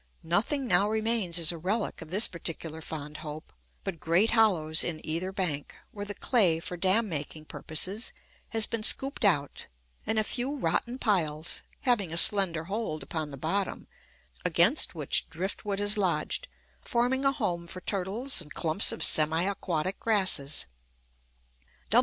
Nothing now remains as a relic of this particular fond hope but great hollows in either bank, where the clay for dam making purposes has been scooped out, and a few rotten piles, having a slender hold upon the bottom, against which drift wood has lodged, forming a home for turtles and clumps of semi aquatic grasses.